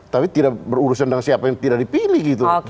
tapi tidak berurusan dengan siapa yang tidak dipilih gitu